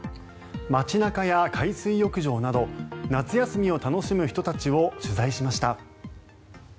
街中や海水浴場など夏休みを楽しむ人たちを取材しました。